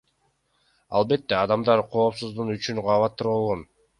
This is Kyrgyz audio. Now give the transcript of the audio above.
Албетте, адамдар коопсуздугу үчүн кабатыр болгон.